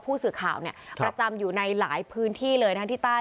ผู้สื่อข่าวเนี่ยประจำอยู่ในหลายพื้นที่เลยทั้งที่ใต้